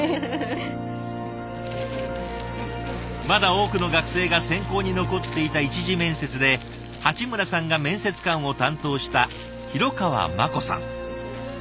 まだ多くの学生が選考に残っていた１次面接で鉢村さんが面接官を担当した廣川真子さん。